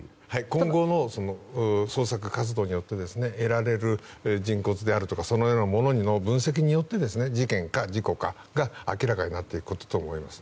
今後の捜索活動によって得られる人骨であるとかそのようなものの分析によって事件か事故かが明らかになっていくことと思います。